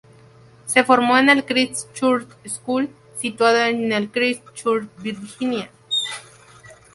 Se formó en el "Christchurch School", situado en Christchurch, Virginia.